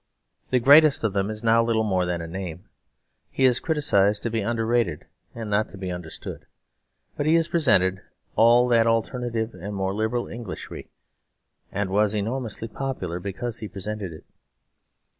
The greatest of them is now little more than a name; he is criticised to be underrated and not to be understood; but he presented all that alternative and more liberal Englishry; and was enormously popular because he presented it.